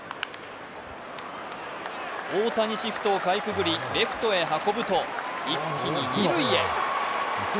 大谷シフトをかいくぐりレフトへ運ぶと一気に二塁へ。